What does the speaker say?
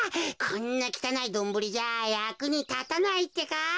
こんなきたないドンブリじゃやくにたたないってか。